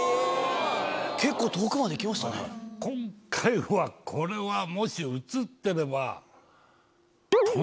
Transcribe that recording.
今回はこれはもし映ってれば。